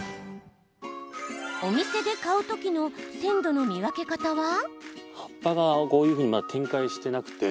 お店で買うときの鮮度の見分け方は？